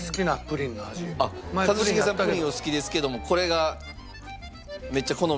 プリンお好きですけどもこれがめっちゃ好みの？